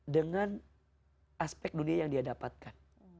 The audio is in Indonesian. dengan aspek dunia yang dia dapatkan